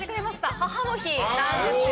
母の日なんですよ。